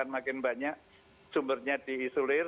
makin banyak sumbernya di isolir